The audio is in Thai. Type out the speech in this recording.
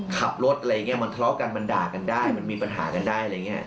ขับรถอะไรอย่างนี้มันทะเลาะกันมันด่ากันได้มันมีปัญหากันได้อะไรอย่างนี้